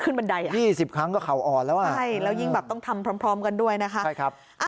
ขึ้นบันไดอะใช่แล้วยิ่งต้องทำพร้อมกันด้วยนะครับใช่ครับ